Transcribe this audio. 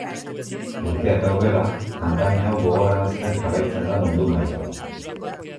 Urteak aurrera, kanpaina hau gogorarazten jarraitzen da mundu mailan.